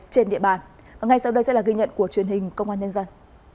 trên địa bàn và ngay sau đây sẽ là ghi nhận của truyền hình công an nhân dân